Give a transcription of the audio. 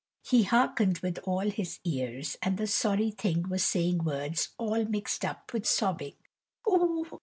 He hearkened with all his ears, and the sorry thing was saying words all mixed up with sobbing "Ooh!